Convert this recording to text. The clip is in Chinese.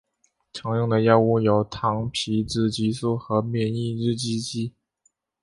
常用的药物有糖皮质激素和免疫抑制剂。